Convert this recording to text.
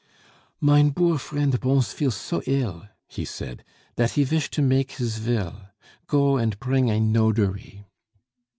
"Mein boor vriend Bons feel so ill," he said, "dat he vish to make his vill. Go und pring ein nodary."